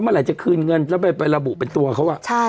เมื่อไหร่จะคืนเงินแล้วไประบุเป็นตัวเขา